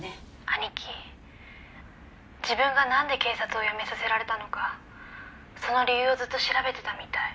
「兄貴自分がなんで警察を辞めさせられたのかその理由をずっと調べてたみたい」